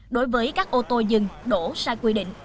đối với các ô tô dừng đổ sai quy định